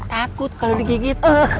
takut kalau digigit